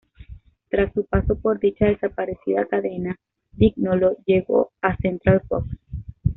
Tras su paso por dicha desaparecida cadena, Vignolo llegó a "Central Fox".